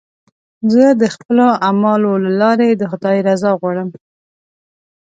زه د خپلو اعمالو له لارې د خدای رضا غواړم.